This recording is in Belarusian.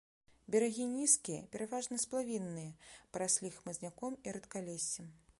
Берагі нізкія, пераважна сплавінныя, параслі хмызняком і рэдкалессем.